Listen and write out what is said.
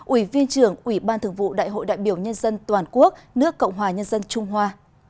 ủy viên trưởng ủy ban thường vụ đại hội đại biểu nhân dân toàn quốc nước cộng hòa nhân dân trung hoa